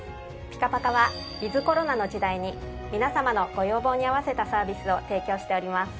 ピカパカはｗｉｔｈコロナの時代に皆様のご要望に合わせたサービスを提供しております。